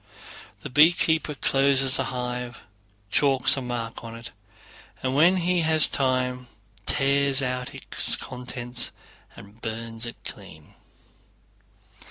The beekeeper closes the hive, chalks a mark on it, and when he has time tears out its contents and burns it clean.